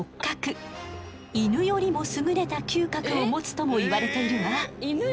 犬よりも優れた嗅覚を持つともいわれているわ。